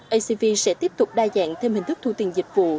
acv sẽ tiếp tục đa dạng thêm hình thức thu tiền dịch vụ